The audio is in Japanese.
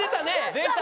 出た。